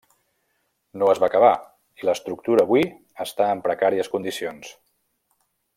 No es va acabar i l'estructura avui està en precàries condicions.